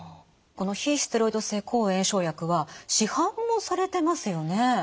この非ステロイド性抗炎症薬は市販もされてますよね？